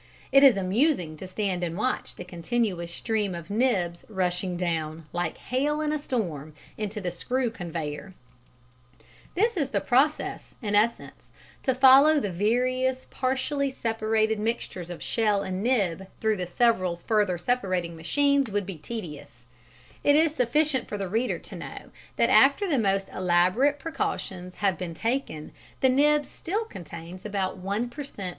It is amusing to stand and watch the continuous stream of nibs rushing down, like hail in a storm, into the screw conveyor. [Illustration: SECTION THROUGH WINNOWING MACHINE.] This is the process in essence to follow the various partially separated mixtures of shell and nib through the several further separating machines would be tedious; it is sufficient for the reader to know that after the most elaborate precautions have been taken the nib still contains about one per cent.